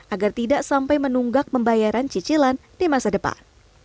agar tidak sampai menunggak pembayaran cicilan di masa depan